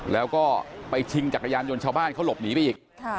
แล้วก็ไปชิงจักรยานยนต์ชาวบ้านเขาหลบหนีไปอีก